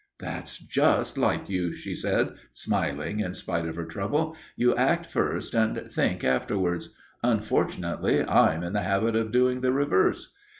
"That's just like you," she said, smiling in spite of her trouble, "you act first and think afterwards. Unfortunately I'm in the habit of doing the reverse."